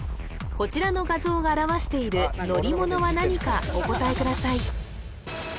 こちらの画像が表している乗り物は何かお答えください